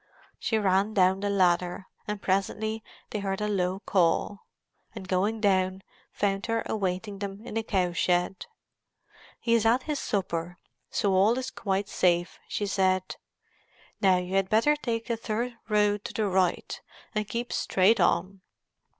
She ran down the ladder, and presently they heard a low call, and going down, found her awaiting them in the cow shed. "He is at his supper, so all is quite safe," she said. "Now you had better take the third road to the right, and keep straight on.